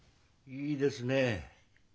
いいですねえ。